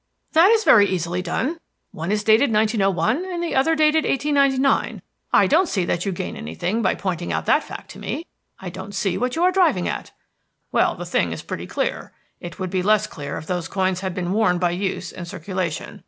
"That is very easily done. One is dated 1901 and the other is dated 1899. I don't see that you gain anything by pointing out that fact to me. I don't see what you are driving at." "Well the thing is pretty clear. It would be less clear if those coins had been worn by use and circulation.